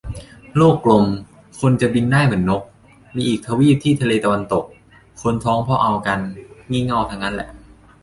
โลกกลม คนจะบินได้เหมือนนก มีอีกทวีปที่ทะเลตะวันตก คนท้องเพราะเอากัน งี่เง่าทั้งนั้นแหละ